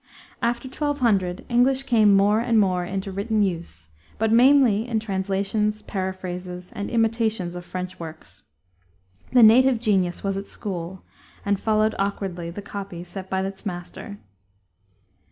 After 1200 English came more and more into written use, but mainly in translations, paraphrases, and imitations of French works. The native genius was at school, and followed awkwardly the copy set by its master.